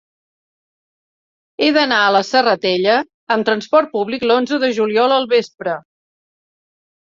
He d'anar a la Serratella amb transport públic l'onze de juliol al vespre.